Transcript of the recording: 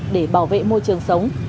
để bảo vệ môi trường sống